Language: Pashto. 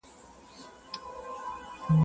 o هولکي د وارخطا ورور دئ٫